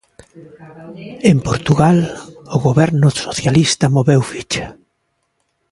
En Portugal o goberno socialista moveu ficha.